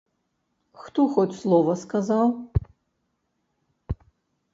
Хто хоць слова сказаў?